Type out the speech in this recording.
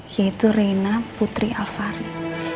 yaitu rena putri alvari